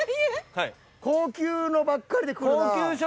高級のばっかりでくるな。